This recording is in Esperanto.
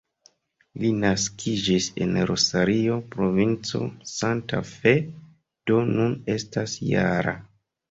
Li naskiĝis en Rosario, provinco Santa Fe, do nun estas -jara.